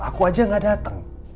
aku aja gak datang